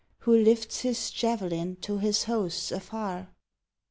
Who lifts his javelin to his hosts afar*?